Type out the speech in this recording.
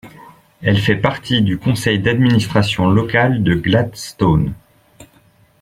Elle fait partie du conseil d'administration locale de Gladstone.